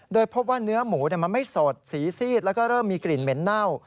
โดยพบว่าเนื้อหมูมันไม่สดสีซีดแล้วก็เริ่มมีกลิ่นเหม็นเน่า